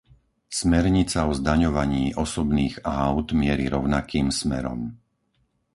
Smernica o zdaňovaní osobných áut mieri rovnakým smerom.